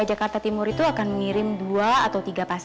aku kasih khusus